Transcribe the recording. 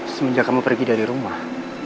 semenjak kamu pergi dari rumah